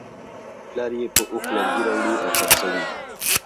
پلار یې په اوښ لرګي راوړي او خرڅوي.